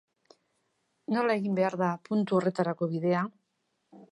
Nola egin behar da puntu horretarako bidea?